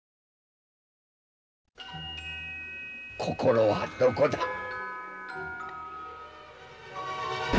心はどこだ？